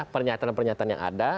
pernyataan pernyataan yang ada